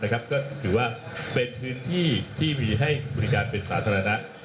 ก็ถือว่าเป็นพื้นที่ที่มีให้บริการเป็นสาธารณะ